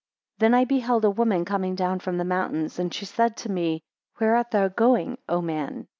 THEN I beheld a woman coming down from the mountains, and she said to me, Where art thou going, O man?